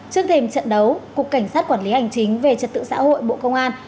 trước thêm trận đấu cục cảnh sát quản lý hành chính về trật tự xã hội bộ công an